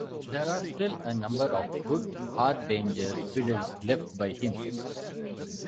There are still a number of good Hardanger fiddles left by him.